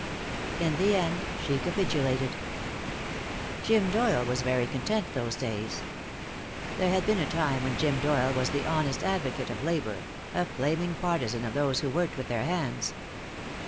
In the end she capitulated Jim Doyle was very content those days. There had been a time when Jim Doyle was the honest advocate of labor, a flaming partizan of those who worked with their hands.